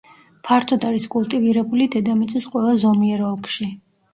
ფართოდ არის კულტივირებული დედამიწის ყველა ზომიერ ოლქში.